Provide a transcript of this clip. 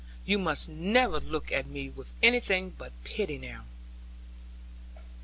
You must never look at me with anything but pity now.'